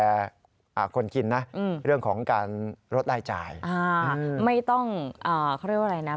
ไม่ต้องเขาเรียกว่าอะไรนะ